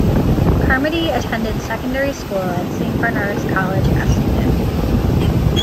Carmody attended secondary school at Saint Bernard's College Essendon.